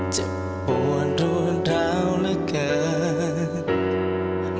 จะปวดรวดราวและเกิด